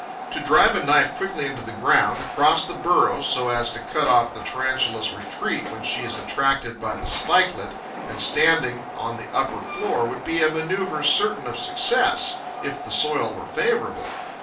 To drive a knife quickly into the ground, across the burrow, so as to cut off the Tarantula's retreat when she is attracted by the spikelet and standing on the upper floor, would be a manoeuvre certain of success, if the soil were favourable.